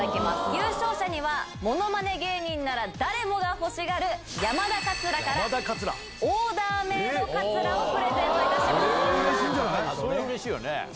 優勝者にはものまね芸人なら誰もが欲しがる山田かつらから、オーダーメードかつらをプレゼントいたします。